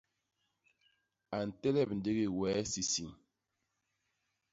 A ntelep ndigi wee sisiñ.